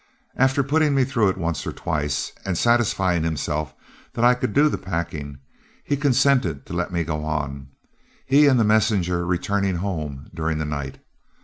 After putting me through it once or twice, and satisfying himself that I could do the packing, he consented to let me go on, he and the messenger returning home during the night.